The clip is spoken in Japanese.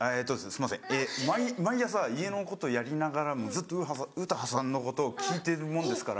すいません毎朝家のことやりながらもずっと詩羽さんのことを聴いてるもんですから。